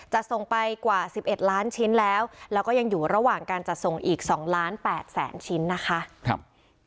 จะส่งไปกว่า๑๑ล้านชิ้นแล้วแล้วก็ยังอยู่ระหว่างการจัดส่งอีก๒ล้าน๘แสนชิ้นนะคะ